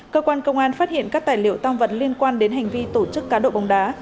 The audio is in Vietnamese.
cơ quan công an phát hiện các tài liệu tăng vật liên quan đến hành vi tổ chức cá độ bóng đá